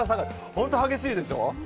本当に激しいでしょ。